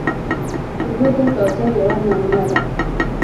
اوبه د کوثر یوه نمونه ده.